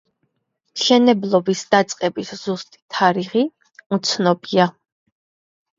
მშენებლობის დაწყების ზუსტი თარიღი უცნობია.